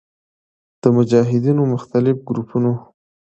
د مجاهدینو مختلف ګروپونو